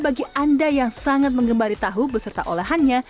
bagi anda yang sangat mengembali tahu beserta olehannya